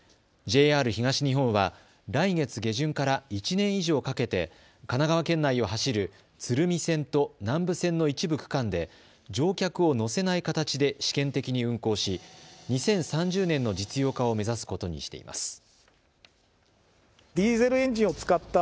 ＪＲ東日本は来月下旬から１年以上かけて神奈川県内を走る鶴見線と南武線の一部区間で乗客を乗せない形で試験的に運行し２０３０年の実用化を目指すことにしています。